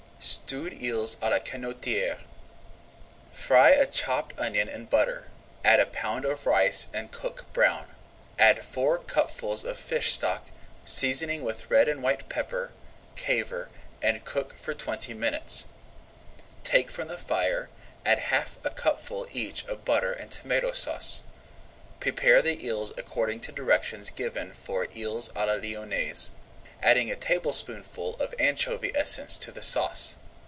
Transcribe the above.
STEWED EELS À LA CANOTIERE Fry a chopped onion in butter, add a pound of rice and cook brown. Add four cupfuls of fish stock, seasoning with red and white pepper, caver, and cook for twenty minutes. Take from the fire, add half a cupful each of butter and Tomato Sauce. Prepare the eels according to directions given for Eels à la Lyonnaise, adding a tablespoonful of anchovy essence to the sauce.